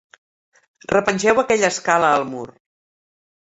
Repengeu aquella escala al mur.